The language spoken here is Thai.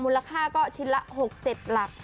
ลค่าก็ชิ้นละ๖๗หลัก